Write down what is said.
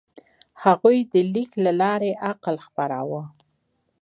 هغوی د لیک له لارې عقل خپراوه.